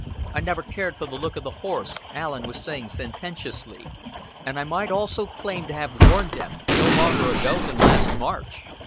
"I never cared for the look of the horse," Allen was saying sententiously. "And I might almost claim to have warned them no longer ago than last March.